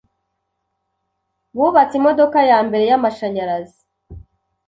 Bubatse imodoka yambere yamashanyarazi.